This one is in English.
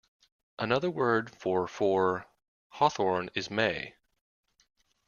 Another word for for hawthorn is may.